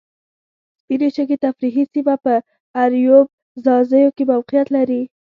سپینې شګې تفریحي سیمه په اریوب ځاځیو کې موقیعت لري.